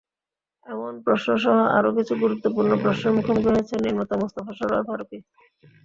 এমন প্রশ্নসহ আরও কিছু গুরুত্বপূর্ণ প্রশ্নের মুখোমুখি হয়েছেন নির্মাতা মোস্তফা সরয়ার ফারুকী।